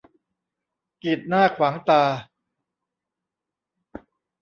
กีดหน้าขวางตา